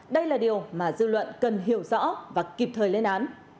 đây là điều mà dư luận cần hiểu rõ và kịp thời lên án